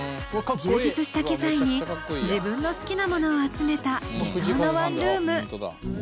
充実した機材に自分の好きなものを集めた理想のワンルーム。